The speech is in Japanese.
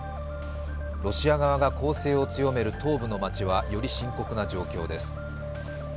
ロシア側が攻勢を強める東部の街はより深刻な状況です。